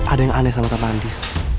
ada yang aneh sama tante andis